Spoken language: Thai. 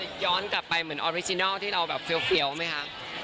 ย้อนกลับไปเหมือนออริจินัลที่เราแบบเฟี้ยวไหมคะ